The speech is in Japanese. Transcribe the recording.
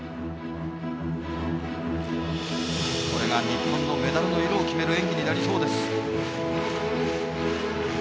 これが日本のメダルの色を決める演技になりそうです。